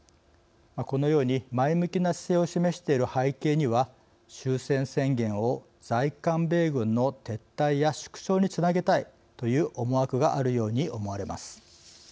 このように前向きな姿勢を示している背景には終戦宣言を在韓米軍の撤退や縮小につなげたいという思惑があるように思われます。